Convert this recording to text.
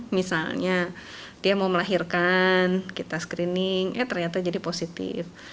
misalnya dia mau melahirkan kita screening eh ternyata jadi positif